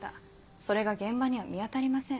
それが現場には見当たりません。